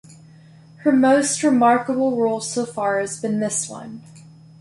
Her most remarkable role so far has been this one.